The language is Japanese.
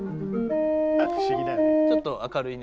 不思議だよね。